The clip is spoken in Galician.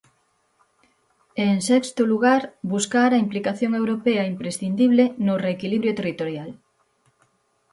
E en sexto lugar, buscar a implicación europea imprescindible no reequilibrio territorial.